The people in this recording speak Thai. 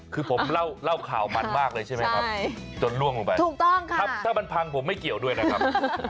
คือผมเล่าข่าวมันมากเลยใช่ไหมครับจนล่วงลงไปถูกต้องครับถ้ามันพังผมไม่เกี่ยวด้วยนะครับ